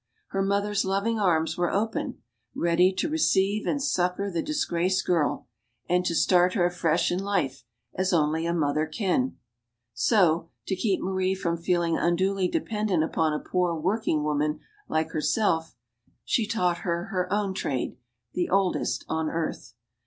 Her mother's loving arms were open, ready to re ceive and succor the disgraced girl, and to start her afresh in life as only a mother can. So, to keep Marie from feeling unduly dependent upon a poor working woman like herself, she taught her her own. trade the oldest on earth.